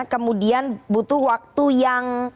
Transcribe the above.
kemudian butuh waktu yang